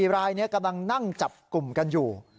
รายนี้กำลังนั่งจับกลุ่มกันอยู่